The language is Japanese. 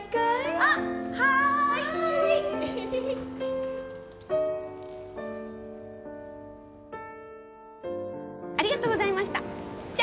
あっはいありがとうございましたじゃ！